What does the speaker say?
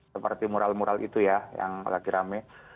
seperti mural mural itu ya yang lagi rame